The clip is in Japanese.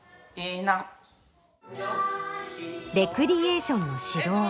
レクリエーションの指導。